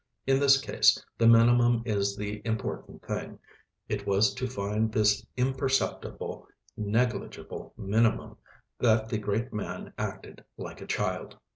In this case the minimum is the important thing; it was to find this imperceptible, negligible minimum that the great man acted like a child.